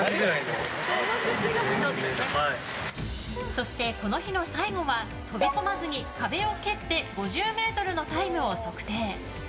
そして、この日の最後は飛び込まずに壁を蹴って５０ｍのタイムを測定。